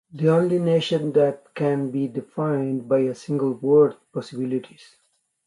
The only nation that can be defined by a single word: possibilities.